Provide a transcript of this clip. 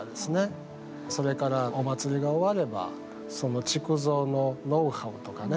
それからお祭りが終わればその築造のノウハウとかね